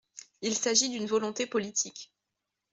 Il s’agit d’une volonté politique.